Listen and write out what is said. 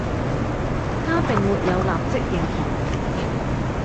她並沒有立即認同